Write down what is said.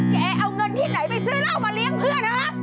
แกเอาเงินที่ไหนไปซื้อแล้วเอามาเลี้ยงเพื่อนนะครับ